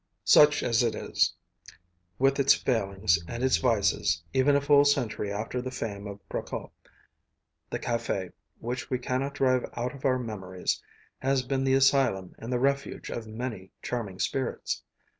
Such as it is, with its failings and its vices, even a full century after the fame of Procope, the café, which we cannot drive out of our memories, has been the asylum and the refuge of many charming spirits.